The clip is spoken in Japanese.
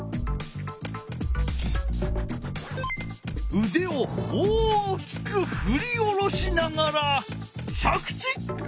うでを大きくふり下ろしながら着地！